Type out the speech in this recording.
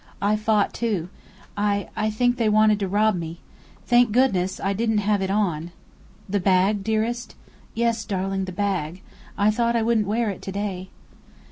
"I fought, too. I I think they wanted to rob me. Thank goodness, I didn't have it on." "The bag, dearest?" "Yes, darling, the bag. I thought I wouldn't wear it to day."